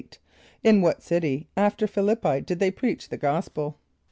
= In what city after Ph[)i] l[)i]p´p[=i] did they preach the gospel?